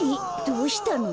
どうしたの？